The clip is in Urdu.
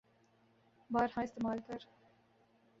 بارہا استعمال کر